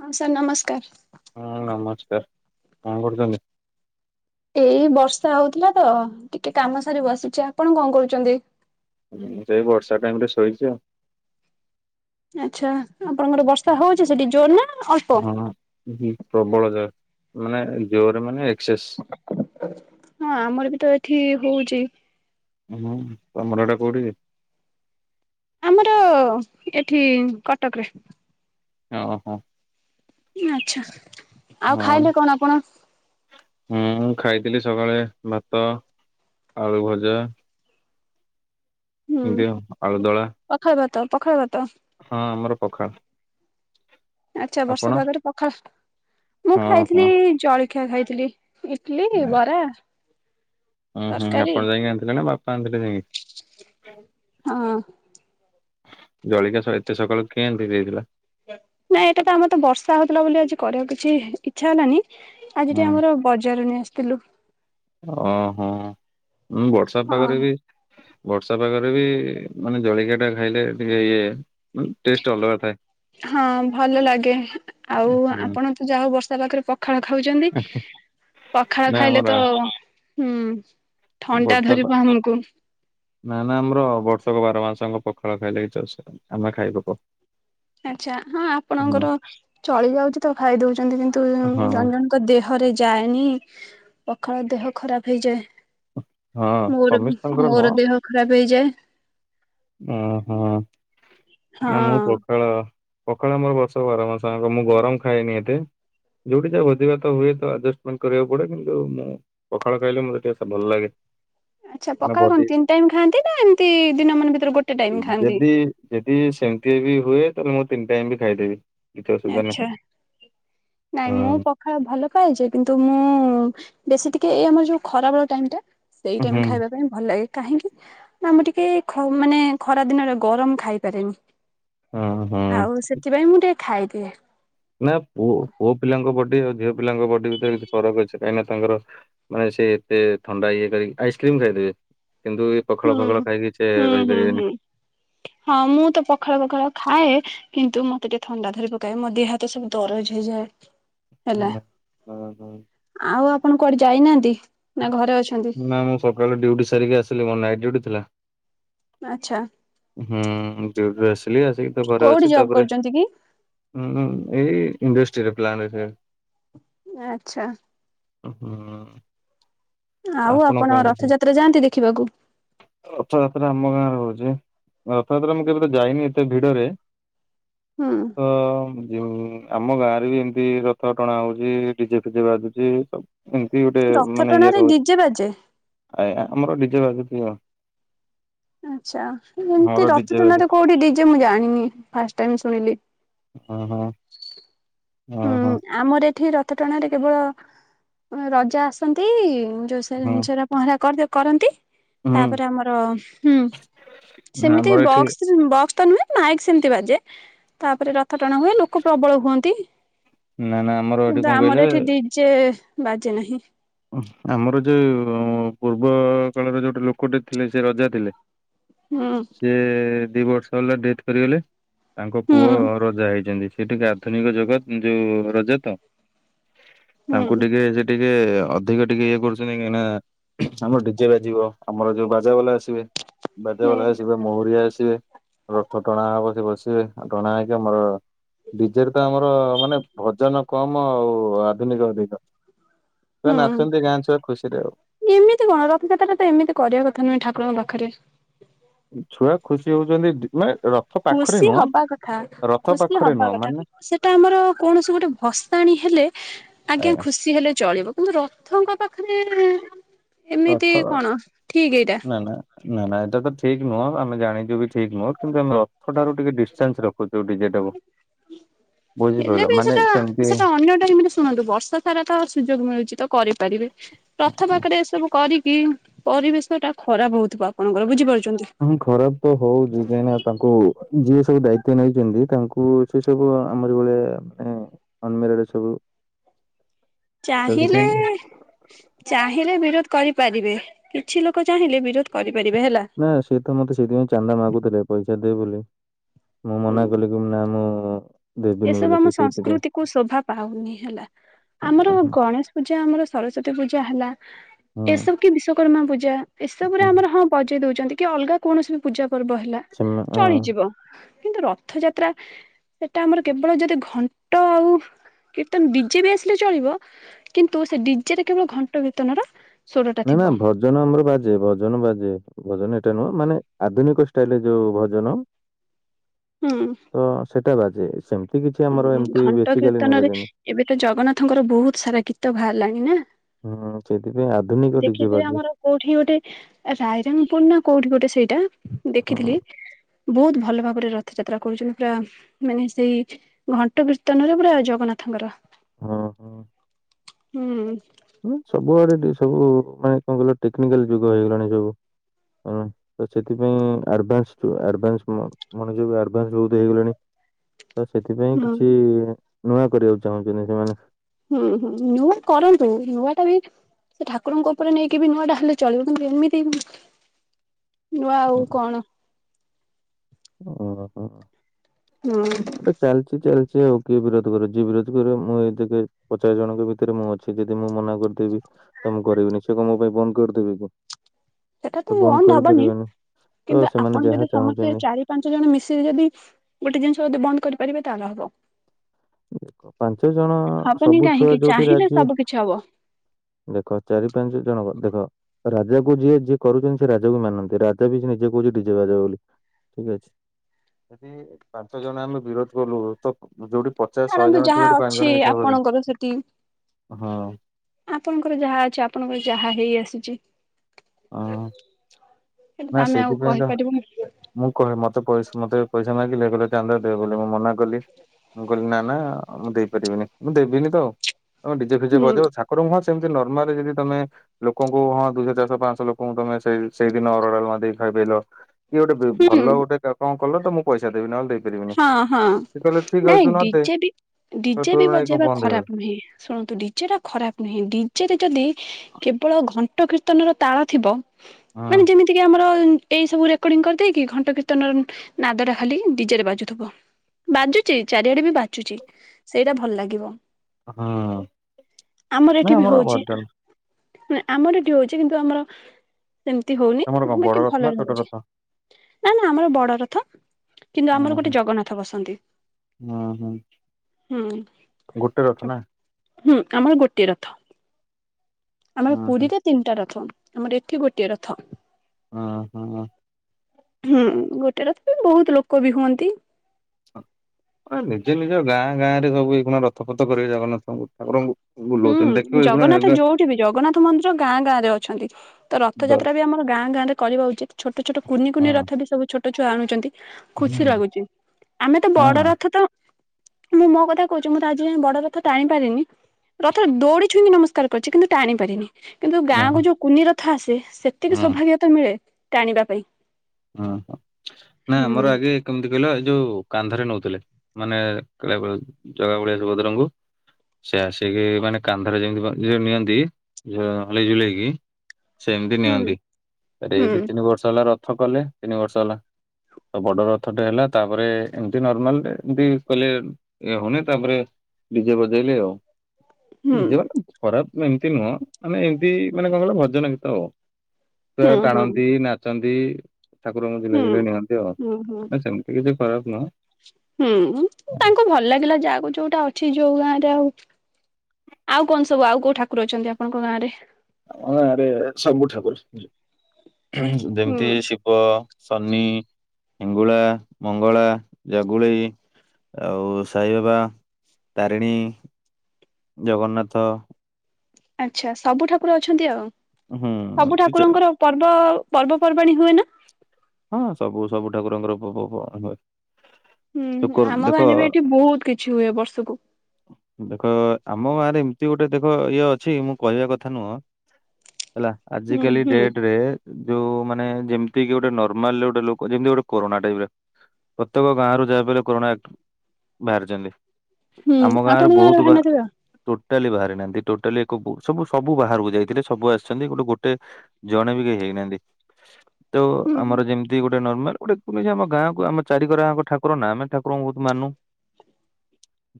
ହଁ, ସାର୍ ନମସ୍କାର। ହୁଁ ନମସ୍କାର କଣ କରୁଚନ୍ତି? ଏଇ ବର୍ଷା ହଉଥିଲା ତ ଟିକେ କାମ ସାରି ବସିଛି ଆପଣ କଣ କରୁଛନ୍ତି? ହୁ ସେଇ ବର୍ଷା ଟାଇମ ରେ ଶୋଇଛି ଆଉ ଆଚ୍ଛା ଆପଣଙ୍କର ବର୍ଷା ହଉଛି ସେଠି ଜୋର ନା ଅଳ୍ପ ହଁ ପ୍ରବଳ ଜର ମାନେ ଜୋରେ ମାନେ ଏକ୍ସେସ। ହଁ ଆମର ବି ତ ଏଠି ହଉଛି। ହୁଁ ତମର ଏଟା କୋଉଠି କି? ଆମର ଏଠି କଟକରେ। ଓହୋ। ଆଛା ଆଉ ଖାଇଲେ କଣ ଆପଣ? ହୁଁ, ମୁଁ ଖାଇଥିଲି ସକାଳେ ଭାତ, ଆଳୁ ଭଜା ହୁଁ ଏମତି ଆଉ ଆଳୁ ଦଳା। ପଖାଳ ଭାତ, ପଖାଳ ଭାତ। ହଁ, ଆମର ପଖାଳ। ଆଚ୍ଛା, ଆପଣ? ବର୍ଷା ପାାଗରେ ପଖାଳ, ମୁଁ ହଁ ଖାଇଥିଲି ହଁ ଜଳଖିଆ ଖାଇଥିଲି। ଇଟିଲି, ବରା ହୁଁ, ହୁଁ ତରକାରୀ ଆପଣ ଯାଇକି ଆଣିଥିଲେ? ନା ବାପା ଆଣିଥିଲେ ଯାଇକି। ହଁ ଜଳିଖିଆ ଏତେ ସକାଳୁ କିଏ ଆଣିକି ଦେଇଥିଲା? ନାଇଁ ଏଇଟା ତ ଆମର ତ ବର୍ଷା ହଉଥିଲା ବୋଲି ଆଜି କରିବାକୁ କିଛି ଇଚ୍ଛା ହେଲାନି। ଆଜିଟି ହୁଁ ଆମର ବଜାର ନେଇ ଆସିଥିଲୁ। ଓହୋଁ ବର୍ଷା ହଁ। ପାଗରେ ବି ବର୍ଷା ପାଗରେ ବି ମାନେ ଜଳିକିଆ ଟା ଖାଇଲେ ଟିକେ ଇଏ ମାନେ ଟେଷ୍ଟ ଅଲଗା ଥାଏ। ହଁ ଭଲ ଲାଗେ ଆଉ ହୁଁ ଆପଣ ତ ଯାହା ହଉ ବର୍ଷା ପାଗ ରେ ପଖା ପଖାଳ ଖାଉଛନ୍ତି। ପଖାଳ ନା ଖାଇଲେ ଆମର ତ ହୁଁ ଥଣ୍ଡା ବର୍ଷା ପା ଧରିବ ଆମକୁ। ନା ନା ଆମର ବର୍ଷକ ବାର ମାସ ଯାଙ୍କ ପଖାଳ ଖାଇଲେ କିଛି ଅସୁବିଧା ନାହିଁ, ଆମେ ଖାଇ ପକାଉ। ଆଚ୍ଛା, ହଁ, ଆପଣଙ୍କର ଚଳି ଯାଉଛି ତ ଖାଇ ଦଉଛନ୍ତି କିନ୍ତୁ ଜଣେ ହଁ ଜଣେ ତ ଦେହରେ ଯାଏନି, ପଖାଳ ଦେହ ଖରାପ ହେଇଯାଏ। ହଁ ମୋର ସମସ୍ତଙ୍କର ନୁହଁ ମୋର ଦେହ ଖରାପ ହେଇଯାଏ। ଅ, ହଁ। ନା ମୁଁ ହଁ। ପଖାଳ ପଖାଳ ମୋର ବର୍ଷ କ ବାର ମାସ ଯାଙ୍କ ମୁଁ ଗରମ ଖାଏନି ଏତେ। ଯୋଉଠି ଯା ଭୋଜିଭାତ ହୁଏ ତ ଆଡ୍ ଜଷ୍ଟ ମେଣ୍ଟ କରିବାକୁ ପଡେ କିନ୍ତୁ ମୁଁ ପଖାଳ ଖାଇଲେ ମତେ ଟିକେ ଭଲ ଲାଗେ। ଆଚ୍ଛା କାହିଁକିନା ପଖଆଳ ବଡି କଣ ତିନି ଟାଇମ୍ ଖାଆନ୍ତି ନା ଏମିତି ଦିନ ମାନ୍ ଭିତରେ ଗୋଟେ ଟାଇମ୍ ଖାଆନ୍ତି? ଯଦି ଯଦି ସେମିତି ବି ହୁଏ ତାହେଲେ ମୁଁ ତିନି ଟାଇମ ବି ଖାଇଦେବି। କିଛି ଅସୁବିଧା ନାହିଁ। ଆଛା ନାଇଁ ମୁଁ ହୁଁ ପ ପାଖାଳ ଭଲ ପାଏଜେ କିନ୍ତୁ ମୁଁ ବେଶୀ ଟିକେ ଏଇ ଆମର ଯୋଉ ଖରା ବେଳ ଟାଇମ୍ ଟା ଏଇ ହୁଁ ଟାଇମ ଖାଇବା ପାଇଁ ଭଲ ଲାଗେ କାହିଁକି? ନା ମୁଁ ଟିକେ ମାନେ ଖରା ଦିନରେ ଗରମ ଖାଇ ପାରେନି। ହୁଁ ହୁଁ ଆଉ ସେଥି ପାଇଁ ମୁଁ ଟିକେ ଖାଇଦିଏ। ନା ପୁଅ ପୁଅ ପିଲାଙ୍କ ବଡି ଆଉ ଝିଅ ପିଲାଙ୍କ ବଡି ବିିତରେ କିଛି ଫରକ ଅଛି, କାହିଁକି ନା ତାଙ୍କର ମାନେ ସେ ଏତେ ଥଣ୍ଡା ଇଏ କରି ଆଇସ୍କ୍ରିମ ଖାଇଦେବେ କିନ୍ତୁ ହୁଁ ପଖାଳ, ଫଖାଳ ଖାଇକି ସେ ହୁଁ ହୁଁ ହୁଁ ରହିପାରିବେନି। ହଁ ମୁଁ ତ ପଖାଳ ପଖାଳ ଖାଏ କିନ୍ତୁ ମତେ ଟିକେ ଥଣ୍ଡା ଧରି ପକାଏ ମୋ ଦେହ ହାତ ସବୁ ଦରଜ ହେଇଯାଏ। ହୁଁ ହେଲା ହୁଁ ହୁଁ ଆଉ ଆପଣ କୁଆଡେ ଯାଇନାହାନ୍ତି ନା ଘରେ ଅଛନ୍ତି? ନା ମୁଁ ସକାଳେ ଡ୍ୟୁଟି ସାରିକି ଆସିଲି ମୋର ନାଇଟ ଡ୍ୟୁଟି ଥିଲା। ଆଛା। ହୁଁ [unintelligible] ରୁ ଆସିଲି ଆସିକି ତ ଘରେ କୋଉଠି ଅଛି ଜବ୍ ତାପରେ କରୁଛନ୍ତି କି? ହୁଁ ଏଇ ଇଣ୍ଡଷ୍ଟ୍ରିରେ ପ୍ଲାନ୍ ଆଛା। ହୁଁ। ଆଉ କଣ ଆପଣ କରୁଛନ୍ତି? ରଥଯାତ୍ରା ଯାଆନ୍ତି ଦେଖିବାକୁ? ରଥଯାତ୍ରା ଆମ ଗାଁ ରେ ହଉଛି। ରଥଯାତ୍ରା ମୁଁ କେବେ ତ ଯାଇନି ଏତେ ଭିଡ଼ରେ। ହୁଁ। ତ ଜଉ ଆମ ଗାଁ ରେ ବି ଏମତି ରଥ ଟଣା ହଉଛି। ଡିଜେ ଫିଜେ ବାଧୁଛି ସବୁ ଏମତି ଗୋଟେ ରଥ ମାନେ ଇଏ ଟଣାରେ ର ଡିଜେ ବାଜେ। ଆଜ୍ଞା ଆମର ଡିଜେ ବାଜୁଥିବ। ଆଚ୍ଛା ଏମିତି ଆମର ରଥ ଡିଜେ ବାଜୁଛି ଟଣାରେ କୋଉଠି ଡିଜେ ମୁଁ ଜାଣିନି ଫାଷ୍ଟ ଟାଇମ ଶୁଣିଲି। ଅ ହଁ। ଓ ହୁଁ ହୋ। ଆମର ଏଠି ରଥ ଟଣାରେ କେବଳ ରଜା ଆସନ୍ତି ହଁ [unintelligible] ପହଁରା କରିଦ କରନ୍ତି ହୁଁ ତାପରେ ଆମର ହୁଁ ନା ସେମିତି ଆମର ଏଠି ବକ୍ସ ବକ୍ସ୍ ତ ନୁହେଁ ମାଇକ୍ ସେମତି ବାଜେ ତାପରେ ରଥ ଟଣା ହୁଏ ଲୋକ ପ୍ରବଳ ହୁଅନ୍ତି। ନା ନା। ଆମର ଏଠି କିନ୍ତୁ କଣ କହିଲେ ଆମର ଏଠି ଡିଜେ ବାଜେ ନାହିଁ। ଆମର ଯୋଉ ପୂର୍ବ କାଳର ଯୋଉଟି ଲୋକଟେ ଥିଲେ ସେ ରଜା ଥିଲେ। ହୁଁ। ସିଏ ଦି ବର୍ଷ ହେଲା ଡେଥ୍ କରିଗଲେ ତାଙ୍କ ହୁଁ ପୁଅ ରଜା ହେଇଛନ୍ତି ସେ ଟିକେ ଆଧୁନିକ ଜଗା ଯୋଉ ରଜା ତ ତାଙ୍କୁ ହୁଁ। ଟିକେ ଯେ ଟିକେ ଅଧିକ ଟିକେ ଇଏ କରୁଛନ୍ତି କାହିଁକିନା ଆମର ଡିଜେ ବାଜିବ ଆମର ଯୋଉ ବାଜା ବାଲା ଆସିବେ। ବାଜା ହୁଁ ବାଲା ଆସିବ। ମହୁରିଆ ଆସିବେ ରଥ ଟଣା ହେବ ସେ ବସିବେ ରଥ ଟଣା ହେଇକି ଆମର ଡିଜେରେ ତ ଆମର ମାନେ ଭଜନ କମ ଆଉ ଆଧୁନିକ ଅଧିକ। ଛୁଆ ହୁଁ ନାଚନ୍ତି ଗାଁ ଛୁଆ ଖୁସିରେ ଆଉ। ଏମିତି କଣ ରଥଯାତ୍ରା ତ ଏମିତି କରିବା କଥା ନୁହେଁ ଠାକୁରଙ୍କ ପାଖରେ। ଛୁଆ ଖୁସି ହଉଛନ୍ତି ମାନେ ର ଖୁସି ହବା କଥା ଖୁସି ପାଖରେ ହବା ନୁହଁ କଥା ମାନେ ସେ ତ ଆମର କୌଣସି ଗୋଟେ ଭସାଣି ହେଲେ ଆଜ୍ଞା ଖୁସି ହେଲେ ଚଳିବ। କିନ୍ତୁ ରଥଙ୍କ ପାଖରେ ରଥ ଏମିତି କଣ ଠିକ୍ ଏଇଟା? ନା ନା ନା ନା ଏଟା ତ ଠିକ ନୁହଁ ଆମେ ଜାଣିଛୁ ବି ଠିକ ନୁହଁ କିନ୍ତୁ ଆମେ ର ଥାରୁ ଟିକେ ଡିଷ୍ଟାନ୍ସ ରଖୁଛୁ ଡିଜେଟାକୁ। ହେଲେ ବି ସେଟା ସେମିତି ସେଟା ଅନ୍ୟଟାଇମ୍ ରେ ଶୁଣନ୍ତୁ ବର୍ଷ ସାରା ତ ସୁଯୋଗ ମିଳୁଛି ତ କରିପାରିବେ। ରଥ ପାଖରେ ଏସବୁ କରିକି ପରିବେଶ ଟା ଖରାପ ହଉଥିବ ଆପଣଙ୍କର ବୁଝିପାରୁଛନ୍ତି। ହ ଖରାପ ତ ହଉଛି କାହିଁ ନା ତାଙ୍କୁ ଯିଏ ସବୁ ଦାୟିତ୍ଵ ନେଇଛନ୍ତି ତାଙ୍କୁ ସେ ସବୁ [unintelligible] ଅନମେରିଡ ସବୁ। ତ ଚାହିଁଲେ ସେଥିପାଇଁ ଚାହିଁଲେ ବିରୋଧ କରିପାରିବେ କିଛି ଲୋକ ଚାହିଁଲେ ବିରୋଧ କରିପାରିବେ ହେଲା। ନା ସେଇ ତ ମତେ ସେଥିପାଇଁ ଚାନ୍ଦା ମାଗୁଥିଲେ ପଇସା ଦେ ବୋଲି। ମୁଁ ମନା ହୁଁ କଲି କି ନା ମୁଁ ଦେବିନି ଏସବୁ ବୋଲି ସେ ଆମ ସେଇଥିପାଇଁ ସଂସ୍କୃତି କୁ ଶୋଭା ପାଉନି ହେଲା। ଆମର ହଁ ଗଣେଶ ପୂଜା ଆମର ସରସ୍ଵତୀ ପୂଜା ହେଲା। ହଁ ଏସବୁ କି ବିଶ୍ଵକର୍ମା ପୂଜା ଏସବୁ ରେ ଆମର ହଁ ପଜେଇ ଦଉଛନ୍ତି କି ଅଲଗା କୌଣସି ବି ପୂଜା ପର୍ବ ହେଲା ସେମା ହଁ ଚଳିଯିବ। କିନ୍ତୁ ରଥଯାତ୍ରା। ଟା ଆମର କେବଳ ଯଦି ଘଣ୍ଟ ଆଉ କୀର୍ତ୍ତନ ଡିଜେ ବି ଆସିଲେ ଚଳିବ। କିନ୍ତୁ ସେ ଡିଜେରେ କେବଳ ଘଣ୍ଟ କିର୍ତନଟା ନା ନା ଭ ଭଜନ ଆମର ବାଜେ ଭଜନ ବାଜେ ଭଜନ ଏଟା ନୁହଁ ମାନେ ଆଧୁନିକ ଷ୍ଟାଇଲରେ ଯୋଉ ଭଜନ। [inaudible] ହୁଁ। ତ ସେଟା ବାଜେ ସେମିତି କିଛି ଆମର ହୁଁ ଏମତି ଘଣ୍ଟ ବେସିକାଲି ନେବେ କୀର୍ତ୍ତନରେ ଯେ ଏବେ ତ ଜଗନ୍ନାଥଙ୍କର ବହୁତ ସାରା ଗୀତ ବାହାରିଲାଣି ନା। ହୁଁ ସେଥିପାଇଁ ଆଧୁନିକ ଡିଜେ ଦେଖିଥିବେ ବାଯେ। ଆମର କୋଉଠି ଗୋଟେ ରାଇରଙ୍ଗପୁର ନା କୋଉଠି ଗୋଟେ ସେଇଟା ହଁ। ଦେଖିଥିଲି। ବହୁତ ଭଲ ଭାବରେ ରଥଯାତ୍ରା କରୁଛନ୍ତି ପୁରା ମାନେ ସେଇ ଘଣ୍ଟ କୀର୍ତ୍ତନର ପୁରା ଜଗନ୍ନାଥଙ୍କର। ହଁ। ହଁ ହୁଁ। ସବୁଆଡେ ଟିକେ ସବୁ ମାନେ କଣ କହିଲ ଟେକ୍ନିକାଲ ଯୁଗ ହେଇଗଲାଣି ଏ ସବୁ। ତ ସେଥିପାଇଁ ଆଡଭାନ୍ସ ଠୁ ଆଡଭାନ୍ସ ମ୍ ମାନେ ଯୋଉଁ ଆଡଭାନ୍ସ ଉଦୟ ହେଇଗଲେଣି। ତ ସେଥିପାଇଁ ହୁଁ କିଛି ନୂଆ କରିବାକୁ ଚାହନ୍ତିନି ସେମାନେ। ହୁଁ ହୁଁ ନୂଆ କରନ୍ତୁ, ନୂଆ ଟା ବି ଠାକୁରଙ୍କ ଉପରେ ନେଇକି ବି ନୂଆଟା ହେଲେ ଚଳିବ କିନ୍ତୁ ଏମିତି ନୂଆ ଆଉ କଣ। [unintelligible] ହୁଁ ଚାଲିଛି ଚାଲିଛି ଆଉ କିଏ ବିରୋଧ କରେ ଯିଏ ବିରୋଧ କରେ ମୁଁ ଏତାକେ ପଚାଶ ଜଣଙ୍କ ଭିତରେ ମୁଁ ଅଛି। ସେ ଯଦି ମୁଁ ମନା କରିଦେବି ତ ମୁଁ କରିବିନି ସେ କଣ ମୋ ପାଇଁ ବନ୍ଦ କରିଦେବେ କହ। ସେଟା ତ ବନ୍ଦ ହବନି ତ କିନ୍ତୁ ସେମାନେ ଆପଣ ଯାହା ଯଦି ସମସ୍ତେ ଚାହୁଁଛନ୍ତି ଚାରି ପାଞ୍ଚ ଜଣ ମିଶିକି ଯଦି ଗୋଟେ ଜିନିଷ ଯଦି ବନ୍ଦ କରିପାରିବେ ତାହେଲେ ହବ। ପାଞ୍ଚ ଜଣ ହବନି ସବୁ ଛୁଆ କାହିଁକି ଯୋଉଠି ଚାହିଁଲେ ରାଜି, ସବୁ କିଛି ହବ ଦେଖ ଚାରି ପାଞ୍ଚ ଜଣଙ୍କ ଦେଖ ରାଜାକୁ ଯିଏ ଯିଏ କରୁଛନ୍ ସେ ରାଜା କୁ ମାନନ୍ତି, ରାଜା ବି ସେ ନିଜେ କହୁଛି ନିଜେ ଡିଜେ ବଜାଅ ବୋଲି। ଠିକ ଅଛି ଯଦି ପାଞ୍ଚ ଜଣ ଆମେ ବିରୋଧ କଲୁ ତ ଯୋଉଠି ପଚାଶ ଶହେ ଛାଡନ୍ତୁ ଜଣ ଯାହା ଥିବେ ଏଠି ପାଞ୍ଚ ଅଛି ଜଣ ଏକା, ଆପଣଙ୍କର ସେଠି [inaudible] ହଁ। ଆପଣଙ୍କର ଯାହା ଅଛି ଆପଣଙ୍କର ଯାହା ହେଇ ଆସୁଛି। ହଁ ନା କିନ୍ତୁ [inaudible] ଆଉ ସେଇଥିପାଇଁ ତ କହିପାରିବୁନି। ମୁଁ କହେ ମତେ ପଇସା ମତେ ପଇସା ମାଗିଲେ କହିଲେ ଚାନ୍ଦା ଦେ ବୋଲି, ମୁଁ ମନା କଲି ମୁଁ କହିଲି ନା ନା ମୁଁ ଦେଇପାରିବିନି ମୁଁ ଦେବିନି ତ। ହ ଡିଜେ ଫିଜେ ହୁଁ ବଜାଅ ଠାକୁର ମୁହଁ ସେମିତି ନର୍ମାଲ ରେ ଯଦି ତମେ ଲୋକଙ୍କୁ ହଁ ଦୁଇଶହ ଚାରଶହ ପାଞ୍ଚ ଲୋକଙ୍କୁ ତମେ ସେଇ ସେଇଦିନ ଅରୁଆ ଡାଲମା ଦେଇ ଖାଇ ପିଏଇଲ। କିଏ ଗୋଟେ ବି ଭଲ ହୁଁ ଗୋଟେ କା କଣ କଲ ତ ମୁଁ ପଇସା ଦେବି, ନହଲେ ଦେ ହଁ ହଁ ନାଇଁ ନଦେ ଡିଜେ ବି ଡିଜେ ବି ତୋର ନାଇଁ କଣ ବଜେଇବା ବନ୍ଦ ଖରାପ ହେଇଗଲା ନୁହେଁ। ଶୁଣନ୍ତୁ ଡିଜେ ଟା ଖରାପ ନୁହେଁ, ଡିଜେ ରେ ଯଦି କେବଳ ଘଣ୍ଟ କୀର୍ତ୍ତନର ତାଳ ଥିବ। ମାନେ ଯେମିତି ଟିକେ ଆମର ଏଇ ସବୁ ରେକର୍ଡିଂ କରିଦେଇକି ଘଣ୍ଟ କୀର୍ତନର ନାଦଟା ଖାଲି ଡିଜରେ ବାଜନ୍ତି। ବାଜୁଛି ଚାରିଆଡେ ବି ବାଜୁଛି ସେଇଟା ଭଲ ଲାଗିବ। ହୁଁ ହୁଁ। ଆମର ନାଇଁ ଏଠି ବି ହଉଛି। ଭଜନ ଆମର ଏଠି ହଉଛି କିନ୍ତୁ ଆମର ସେମିତି ହଉନି, ତମର କଣ ବଡ ବାକି ରଥ ନା ଭଲରେ ଛୋଟ ହଉଛି। ରଥ? ନା ନା ଆମର ବଡ ରଥ। କିନ୍ତୁ ହୁଁ ଆମର ଗୋଟେ ହୁଁ ଏଠି ଜଗନ୍ନାଥ ବସନ୍ତି, ହୁଁ ହୁଁ ହୁଁ। ଗୋଟେ ରଥ ନା ହୁଁ ଆମର ଗୋଟିଏ ରଥ। ଆମର ହୁଁ ହୁଁ ପୁରୀରେ ତିନିଟା ରଥ, ଆମର ଏଠି ଗୋଟିଏ ରଥ। ହଁ ହୋ ହୋ। ହୁଁ ଗୋଟେ ରଥ ପାଇଁ ବହୁତ ଲୋକ ବି ହୁଅନ୍ତି। ଆରେ ନିଜେ ନିଜ ଗାଁ ଗାଁ ରେ ସବୁ ହେଇକିନା ରଥପଥ କରିବେ ଜଗନ୍ନାଥଙ୍କୁ, ଠାକୁରଙ୍କୁ। ବୁଲଉଛନ୍ତି ଦେଖିବ ହୁଁ ଏଇଖୁଣା ଜଗନ୍ନାଥ ଯୋଉଠି ବି ଜଗନ୍ନାଥ ମନ୍ଦିର ଗାଁ ଗାଁ ରେ ଅଛନ୍ତି। ତ ରଥଯାତ୍ରା ରେ ଆମର ଗାଁ ଗାଁରେ କରିବା ଉଚିତ ଛୋଟ ଛୋଟ କୁନି କୁନି ହୁଁ ରଥ ବି ସବୁ ଛୋ ଛୋଟ ଛୁଆ ଆଣୁଛନ୍ତି ହୁଁ ଖୁସି ଲାଗୁଛି। ଆମେ ତ ହଁ। ବଡ ରଥ ତ ମୁଁ ମୋ କଥା କହୁଛି ମୁଁ ତ ଆଜି ଯାଇଁ ବଡ ରଥ ଟାଣି ପାରିନି। ରଥ ଦୌଡି ଛୁଇକି ନମସ୍କାର ପଛିକିନା ଟାଣି ପାରିନି କିନ୍ତୁ ଓହୋ ଗାଁକୁ ଯୋଉ କୁନି ରଥ ଆସେ ସେତିକି ହୁଁ ସୌଭାଗ୍ୟ ତ ମିଳେ ଟାଣିବା ପାଇଁ। ଓ ହୋ ନା ହୁଁ ଆମର ଆଗେ କେମିତି କହିଲ ଏ ଯୋଉ କାନ୍ଧରେ ନଉଥିଲେ ମାନେ କାଳିଆ ବଳିଆ ଜଗା ବଳିଆ ସୁଭଦ୍ରାଙ୍କୁ। ସେ ଆସିକି ମାନେ କାନ୍ଧରେ ଯେମିତି ବଝିରେ ନିଅନ୍ତି ହଲେଇ ଝୁଲେଇକି ସେମିତି ହୁଁ ନିଅନ୍ତି ହୁଁ ଏଇ ଦି ତିନି ବର୍ଷ ହେଲା ରଥ କଲେ ତିନି ବର୍ଷ ହେଲା। ତ ବଡ ରଥ ଟେ ହେଲା ତାପରେ ଏମିତି ନର୍ମାଲ ଏମତି କହିଲେ ଏ ହଉନି ତାପରେ ଡିଜେ ବଜେଇଲି ଆଉ। ହୁଁ ଡିଜେବା ଖରାପ ଏମିତି ନୁହଁ ମାନେ ଏମତି ମାନେ କଣ କହିଲ ଭଜନ ଗୀତ ଆଉ। ସେ ହୁଁ ହୁଁ ଟାଣନ୍ତି ନାଚନ୍ତି। ଠାକୁରଙ୍କୁ ଦିନେ ହୁଁ ଦିନେ ନିଅନ୍ତି ଆଉ ହୁଁ ହୁଁ। ନା ସେମିତି କିଛି ଖରାପ ନୁହଁ। ହୁଁ ତାଙ୍କୁ ଭଲ ଲାଗିଲା ଯାହାକୁ ଯୋଉଟା ଆଉ। ଅଛି ଯୋଉ ଗାଁ ରେ ଆଉ ଆଉ କଣ ସବୁ ଆଉ କୋଉ ଠାକୁର ଅଛନ୍ତି ଆପଣଙ୍କ ଗାଁ ରେ। ହଁ ଆରେ ଏଠି ସବୁ ଠାକୁର ହୁଁ। ଯେମିତି ସି ବ, ଶନି, ହିଙ୍ଗୁଳା, ମଙ୍ଗଳା, ଜାଗୁଳେଇ। ଆଉ, ସାଇବାବା, ତାରିଣୀ, ଜଗନ୍ନାଥ। ଆଛା ସବୁ ଠାକୁର ଅଛନ୍ତି ଆଉ ହୁଁ ସବୁ କିଛି- ଠାକୁରଙ୍କର ପର୍ବ ପର୍ବପର୍ବାଣୀ ହୁଏ ନା? ହଁ ସବୁ ସବୁ ଠାକୁରଙ୍କର ଭୋଗ ଫୋ ହୁଏ। ହୁଁ ଶୁକୁର ଆମ ଦେଖ ଗାଁରେ ବି ଏଠି ବହୁତ କିଛି ହୁଏ ବର୍ଷକୁ। ଦେଖ ଆମ ଗାଁ ରେ ଏମିତି ଗୋଟେ ଦେଖ ଇଏ ଅଛି ମୁଁ କହିବା କଥା ନୁହଁ। ହେଲା ଆଜ ହୁଁ କାଲି ହୁଁ। ଡେଟରେ ଯୋଉ ମାନେ ଯେମିତି କି ଗୋଟେ ନ ରୁମାଲ ରେ ଗୋଟେ ଲୋକ ଯେମିତି ଗୋଟେ କରୋନା ଟାଇପ ରେ ପ୍ରତେକ ଗାଁ ର ଯାହାବି ହେଲେ କରୋନା ବାହାରିଚନ୍ତି ହୁଁ ଆମ ଗାଁରୁ ଆପଣଙ୍କ ଗାଁରେ ବହୁତ ଭାରି ବା ନଥିବ? ଟୋଟାଲି ବାହାରି ନାହାନ୍ତି ଟୋଟାଲି ଏକକୁ ସବୁ ସବୁ ବାହାରକୁ ଯାଇଥିଲେ ସବୁ ଆସିଚ଼ନ୍ତି ଗୋଟେ ଗୋଟେ ଜଣେ ବି କେହି ହେଇନାହାନ୍ତି ତ ହୁଁ ଆମର ଯେମି ଦି ଗୋଟେ ନର୍ମାଲ ଗୋଟେ କୁନିଜେ ଆମ ଗାଁକୁ ଆମ ଚାରିକରଆଙ୍କ ଠାକୁର ନା ଆମେ ଠାରଙ୍କୁ ବହୁତ ମାନୁ।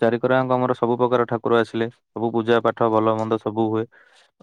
ଚାରିିକରଆଙ୍କ ଆମର ସବୁ ପକାର ଠାକୁର ଆସିଲେ ସବୁ ପୂଜା ପାଠ ଭଲ ମନ୍ଦ ସବୁ ହୁଏ।